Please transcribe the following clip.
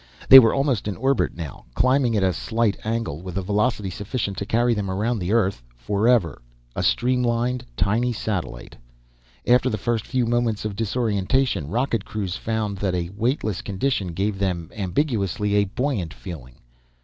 They were almost in orbit, now, climbing at a slight angle with a velocity sufficient to carry them around Earth forever, a streamlined, tiny satellite. After the first few moments of disorientation, rocket crews found that a weightless condition gave them, ambiguously, a buoyant feeling.